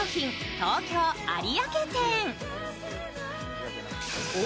東京有明店。